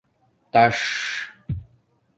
تاݽ